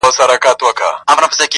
زموږ پر زخمونو یې همېش زهرپاشي کړې ده,